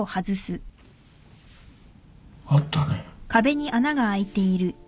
あったね。